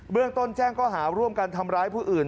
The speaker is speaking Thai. เรื่องต้นแจ้งก็หาร่วมกันทำร้ายผู้อื่น